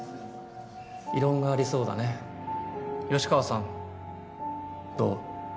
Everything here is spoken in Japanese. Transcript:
異論がありそうだね吉川さんどう？